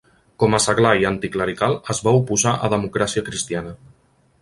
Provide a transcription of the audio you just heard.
Com a seglar i anticlerical, es va oposar a Democràcia Cristiana.